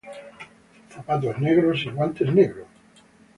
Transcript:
Zapatos negros y guantes negros.